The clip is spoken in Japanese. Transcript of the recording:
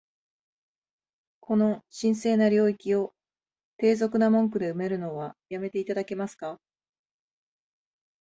この神聖な領域を、低俗な文句で埋めるのは止めて頂けますか？